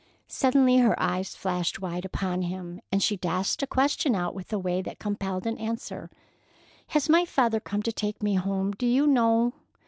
Suddenly her eyes flashed wide upon him, and she dashed a question out with a way that compelled an answer: "Has my father come to take me home, do you know?"